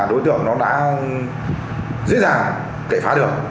đối tượng nó đã dễ dàng cậy phá được